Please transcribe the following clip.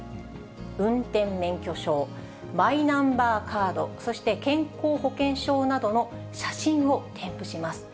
運転免許証、マイナンバーカード、そして、健康保険証などの写真を添付します。